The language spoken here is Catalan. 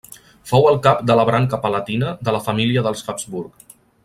Fou el cap de la branca palatina de la família dels Habsburg.